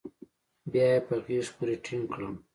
بيا يې په غېږ پورې ټينگ کړم.